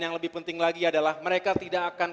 yang lebih penting lagi adalah mereka tidak akan